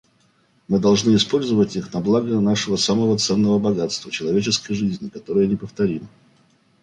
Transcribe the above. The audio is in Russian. Мы должны использовать их на благо нашего самого ценного богатства — человеческой жизни, которая неповторима.